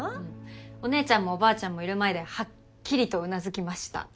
お姉ちゃんもおばあちゃんもいる前ではっきりとうなずきました。